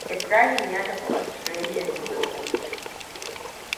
Ibrahim ya tafi Autralia neman aiki.